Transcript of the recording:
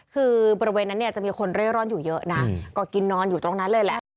คือบริเวณนั้นเนี่ยจะมีคนเร่ร่อนอยู่เยอะนะก็กินนอนอยู่ตรงนั้นเลยแหละ